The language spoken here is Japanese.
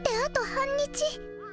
半日？